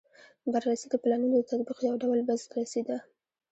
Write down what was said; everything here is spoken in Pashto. بررسي د پلانونو د تطبیق یو ډول بازرسي ده.